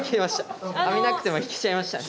網なくてもいけちゃいましたね。